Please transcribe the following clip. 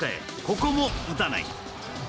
ここも打たない。